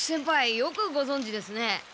よくごぞんじですね。